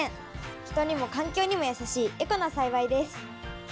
人にも環境にもやさしいエコな栽培です。